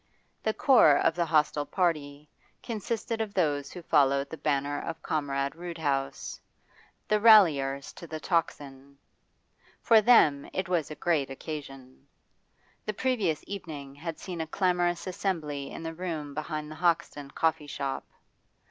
The core of the hostile party consisted of those who followed the banner of Comrade Roodhouse, the ralliers to the 'Tocsin.' For them it was a great occasion. The previous evening had seen a clamorous assembly in the room behind the Hoxton coffee shop.